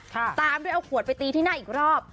ตามด้วยเอาขวดไปตีที่หน้าอีกรอบ